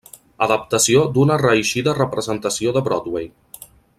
Adaptació d'una reeixida representació de Broadway.